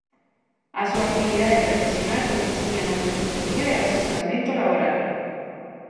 A súa actividade profesional consistía na consultoría e o asesoramento laboral.